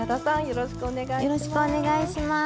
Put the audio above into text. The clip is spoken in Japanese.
よろしくお願いします。